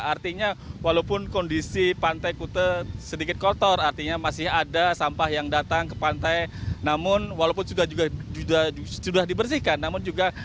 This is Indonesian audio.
artinya walaupun kondisi pantai kute sedikit kotor artinya masih ada sampah yang datang ke pantai namun